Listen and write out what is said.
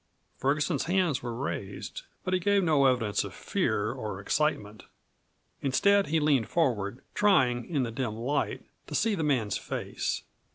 Ferguson's hands were raised, but he gave no evidence of fear or excitement. Instead, he leaned forward, trying, in the dim light, to see the man's face.